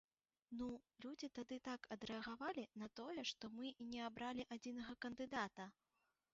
Ну, людзі тады так адрэагавалі на тое, што мы не абралі адзінага кандыдата!